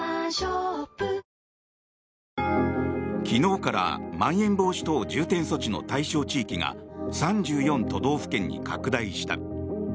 昨日からまん延防止等重点措置の対象地域が３４都道府県に拡大した。